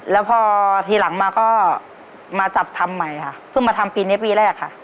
แล้วพอทีหลังมาก็มาจับทำใหม่ค่ะเพิ่งมาทำปีนี้ปีแรกค่ะ